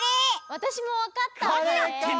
わたしもわかった。